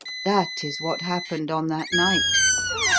That is what happened on that night.